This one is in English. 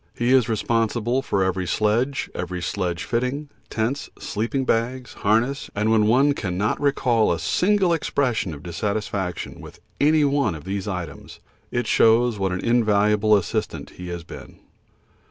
He is responsible for every sledge, every sledge fitting, tents, sleeping bags, harness, and when one cannot recall a single expression of dissatisfaction with any one of these items, it shows what an invaluable assistant he has been.